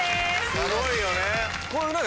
すごいよね。